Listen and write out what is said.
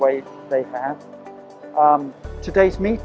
dan video secara langsung tidak bisa terjadi